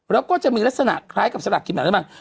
แล้วก็จะมีลักษณะคล้ายกับสลากกินแบ่งรัฐบาล